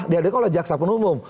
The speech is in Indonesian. diadakan oleh jaksa penumum